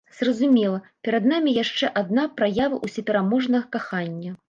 Зразумела, перад намі яшчэ адна праява ўсёпераможнага кахання!